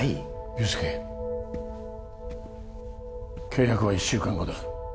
憂助契約は１週間後だ